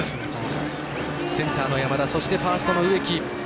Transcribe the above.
センターの山田そして、ファーストの植木。